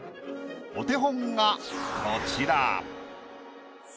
お手本がこちら。